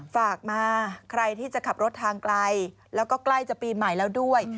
ฝากมาใครที่จะขับรถทางไกลแล้วก็ใกล้จะปีใหม่แล้วด้วย